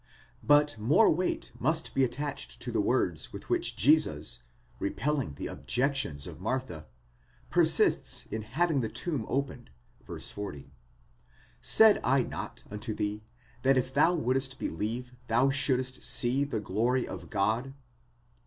27 But more weight must be attached to the words with which Jesus, repelling the objections. of Martha, persists in having the tomb opened (v. 40): Said I not unto thee that tf thou wouldst believe thou shouldst see the glory of God?